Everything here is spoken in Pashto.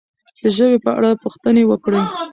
د ژبې په اړه پوښتنې وکړئ.